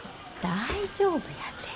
大丈夫やて。